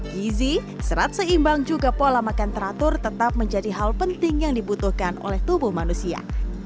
gizi serat seimbang juga pola makan teratur tetap menjadi hal penting yang dibutuhkan oleh tubuh manusia